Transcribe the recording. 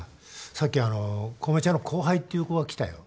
さっきあの小梅ちゃんの後輩っていう子が来たよ。